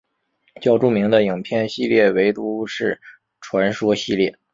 较著名的影片系列为都市传说系列。